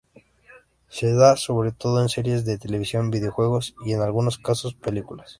Se da sobre todo en series de televisión, videojuegos, y, en algunos casos, películas.